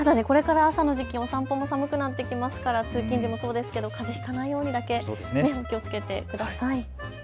ただこれから朝の時期お散歩も寒くなってきますから通勤時もそうですけどかぜひかないようにだけ気をつけてください。